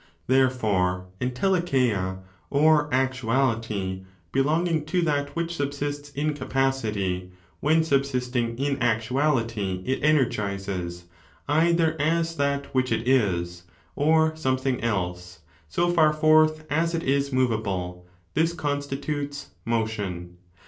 Therefore, ente lecheia, or actuality, belonging to that which subsists in capacity, when subsisting in actuality it energizes either as that which it is, or something else, so far forth as it is movable — ^this constitutes motion.